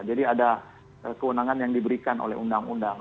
jadi ada keunangan yang diberikan oleh undang undang